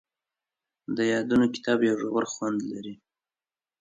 د یادونو کتاب یو ژور خوند لري.